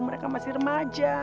mereka masih remaja